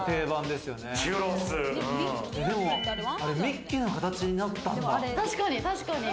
でもミッキーの形になったんだ！